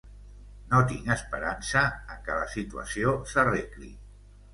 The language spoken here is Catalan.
No tinc esperança en què la situació s’arregli.